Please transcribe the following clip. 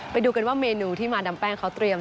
ไปดูกันว่าเมนูที่มาดามแป้งเขาเตรียม